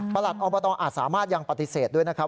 อบตอาจสามารถยังปฏิเสธด้วยนะครับ